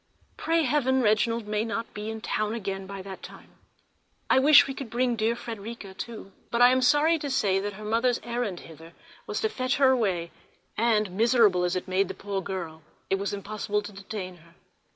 Pray heaven, Reginald may not be in town again by that time! I wish we could bring dear Frederica too, but I am sorry to say that her mother's errand hither was to fetch her away; and, miserable as it made the poor girl, it was impossible to detain her.